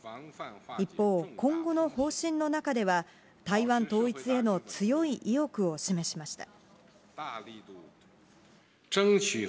一方、今後の方針の中では、台湾統一への強い意欲を示しました。